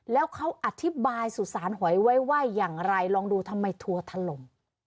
แล้วเขาอธิบายสุสานหอยไว้ว่าอย่างไรลองดูทำไมทัวร์ถล่ม